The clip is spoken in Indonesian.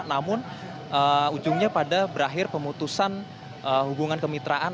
namun ujungnya pada berakhir pemutusan hubungan kemitraan